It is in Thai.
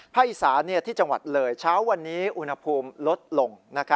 อีสานที่จังหวัดเลยเช้าวันนี้อุณหภูมิลดลง